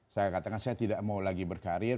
saya katakan saya tidak mau lagi berkarir